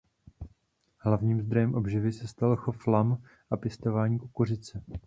Hlavním zdrojem obživy se stal chov lam a pěstování kukuřice.